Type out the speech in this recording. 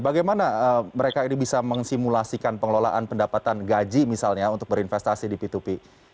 bagaimana mereka ini bisa mensimulasikan pengelolaan pendapatan gaji misalnya untuk berinvestasi di p dua p